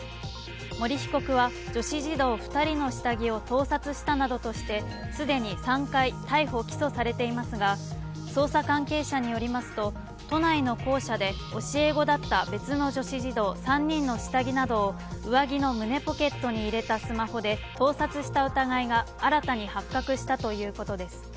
森被告は女子児童２人の下着を盗撮したなどとして既に３回逮捕・起訴されていますが、捜査関係者によりますと、都内の校舎で教え子だった別の女子児童３人の下着などを上着の胸ポケットに入れたスマホで盗撮した疑いが新たに発覚したということです。